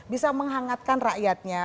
bisa menghangatkan rakyatnya